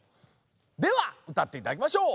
ではうたっていただきましょう！